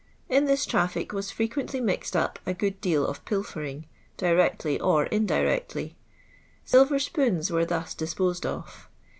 In this traffic was frequently mixed up a good deal of pilfering, directly or indirectly. Silver spoons were thus disposed of.